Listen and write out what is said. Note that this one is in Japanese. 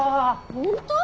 本当？